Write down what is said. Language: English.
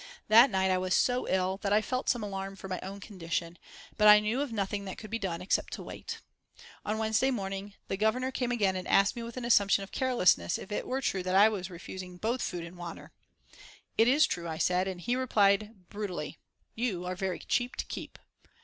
That night I was so ill that I felt some alarm for my own condition, but I knew of nothing that could be done except to wait. On Wednesday morning the Governor came again and asked me with an assumption of carelessness if it were true that I was refusing both food and water. "It is true," I said, and he replied brutally: "You are very cheap to keep."